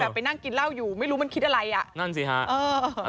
แต่ไปนั่งกินเหล้าอยู่ไม่รู้มันคิดอะไรอ่ะนั่นสิฮะเออ